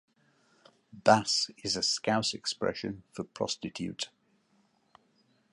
“Bass” is a Scouse expression for “prostitute”.